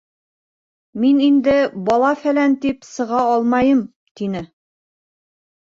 Мин инде бала-фәлән тип сыға алмайым, - тине.